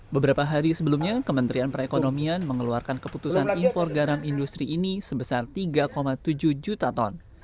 beberapa hari sebelumnya kementerian perekonomian mengeluarkan keputusan impor garam industri ini sebesar tiga tujuh juta ton